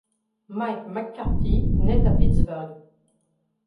Mike McCarthy naît à Pittsburgh.